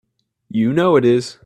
You know it is!